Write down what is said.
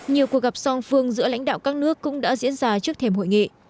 nhiều cuộc gặp song phương giữa lãnh đạo các nước cũng đã diễn ra trước thềm hội nghị